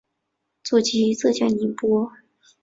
祖籍浙江宁波。